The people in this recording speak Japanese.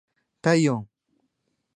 体温